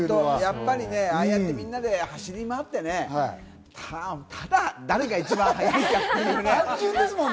ああやって、みんなで走り回ってね、ただ誰が一番速いかっていうね。